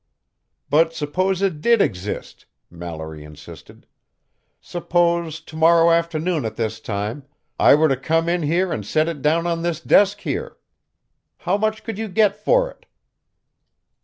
"But suppose it did exist," Mallory insisted. "Suppose, tomorrow afternoon at this time, I were to come in here and set it down on this desk here? How much could you get for it?"